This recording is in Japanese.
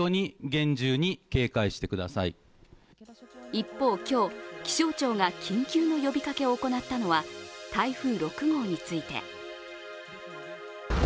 一方、今日、気象庁が緊急の呼びかけを行ったのは台風６号について。